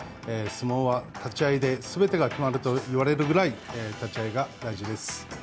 相撲は立ち合いですべてが決まると言われるぐらい立ち合いが大事です。